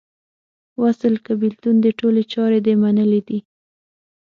وصل که بیلتون دې ټولي چارې دې منلې دي